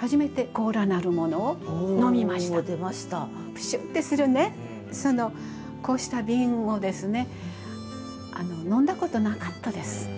プシュッてするねこうした瓶をですね飲んだことなかったです。